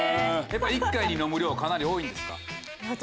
１回に飲む量はかなり多いんですか？